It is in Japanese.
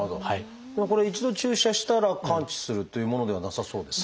これ一度注射したら完治するというものではなさそうですね。